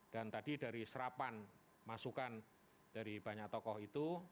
dan tadi dari serapan masukan dari banyak tokoh itu